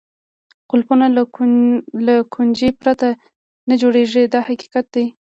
قلفونه له کونجۍ پرته نه جوړېږي دا حقیقت دی.